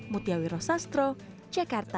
mutiawi rosastro jakarta